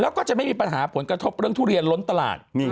แล้วก็จะไม่มีปัญหาผลกระทบเรื่องทุเรียนล้นตลาด